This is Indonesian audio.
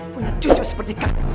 punya cucu seperti kamu